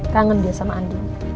kangen dia sama andin